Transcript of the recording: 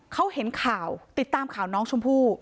เขาเห็นข่าวติดตามข่าวน้องชมพู่